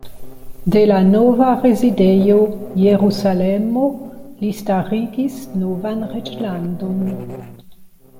De la nova rezidejo Jerusalemo li starigis novan reĝlandon.